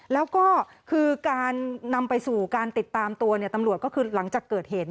แล้วก็คือการนำไปสู่การติดตามตัวตำรวจก็คือหลังจากเกิดเหตุ